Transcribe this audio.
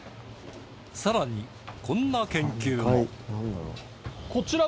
さらにこんな研究も